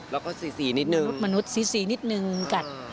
แล้วก็สีนิดนึงมนุษย์สีนิดนึงกัด